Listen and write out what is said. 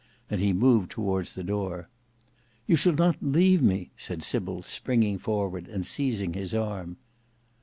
And he moved towards the door. "You shall not leave me," said Sybil, springing forward, and seizing his arm.